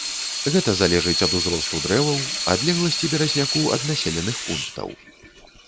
Гэта залежыць ад узросту дрэваў, адлегласці беразняку ад населеных пунктаў.